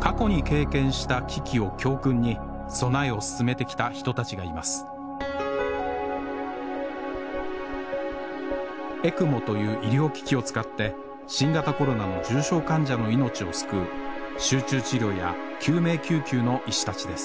過去に経験した危機を教訓に備えを進めてきた人たちがいますＥＣＭＯという医療機器を使って新型コロナの重症患者の命を救う集中治療や救命救急の医師たちです